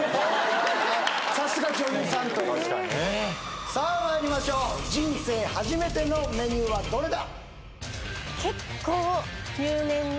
さすが女優さんという・確かにねさあまいりましょう人生初めてのメニューはどれだ？